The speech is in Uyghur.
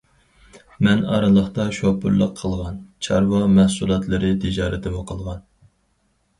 مەن ئارىلىقتا شوپۇرلۇق قىلغان، چارۋا مەھسۇلاتلىرى تىجارىتىمۇ قىلغان.